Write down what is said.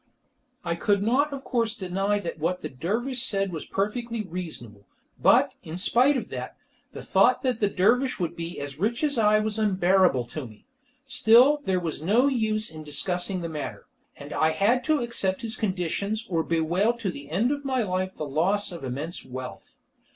I could not of course deny that what the dervish said was perfectly reasonable, but, in spite of that, the thought that the dervish would be as rich as I was unbearable to me. Still there was no use in discussing the matter, and I had to accept his conditions or bewail to the end of my life the loss of immense wealth.